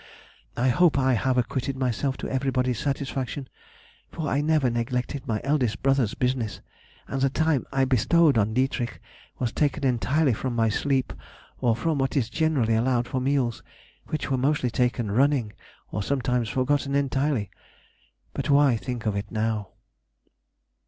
I hope I have acquitted myself to everybody's satisfaction, for I never neglected my eldest brother's business, and the time I bestowed on Dietrich was taken entirely from my sleep or from what is generally allowed for meals, which were mostly taken running, or sometimes forgotten entirely. But why think of it now!